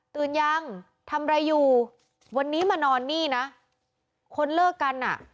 ยังทำอะไรอยู่วันนี้มานอนนี่นะคนเลิกกันอ่ะ